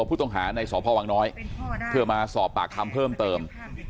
ผู้ต้องหาในสพวังน้อยเพื่อมาสอบปากคำเพิ่มเติม